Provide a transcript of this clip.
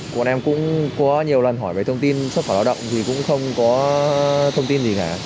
bọn em cũng có nhiều lần hỏi về thông tin xuất khẩu lao động thì cũng không có thông tin gì cả